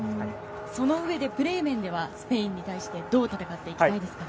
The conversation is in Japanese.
そのうえで、プレー面ではスペインに対してどう戦っていきたいですか？